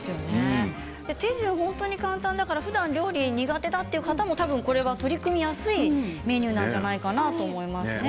手順が簡単だからふだん料理が苦手な方も取り組みやすいメニューなんじゃないかなと思いますね。